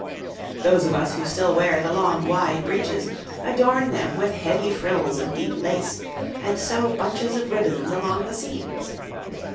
Those of us who still wear the long wide breeches adorn them with heavy frills of deep lace, and sew bunches of ribbons along the seams.